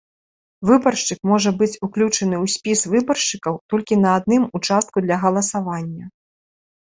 Выбаршчык можа быць уключаны ў спіс выбаршчыкаў толькі на адным участку для галасавання.